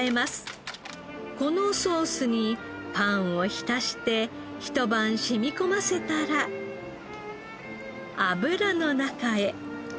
このソースにパンを浸してひと晩染み込ませたら油の中へ。